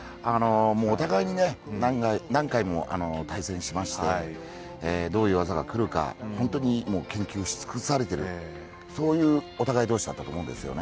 お互いに何回も対戦しましてどういう技がくるか本当に研究し尽くされているそういうお互い同士だったと思うんです。